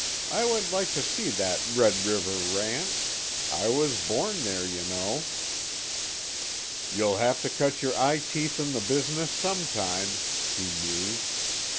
I would like to see that Red River ranch. I was born there, you know." "You'll have to cut your eye teeth in the business sometime," he mused.